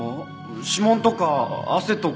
指紋とか汗とか。